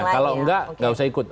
kalau enggak nggak usah ikut